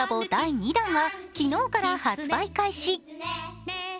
第２弾が昨日から発売開始。